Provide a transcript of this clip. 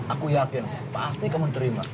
aku yakin pasti kamu terima